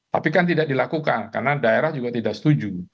tapi kan tidak dilakukan karena daerah juga tidak setuju